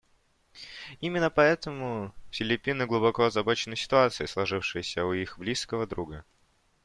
Именно поэтому Филиппины глубоко озабочены ситуацией, сложившейся у их близкого друга.